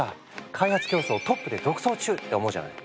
開発競争トップで独走中って思うじゃない？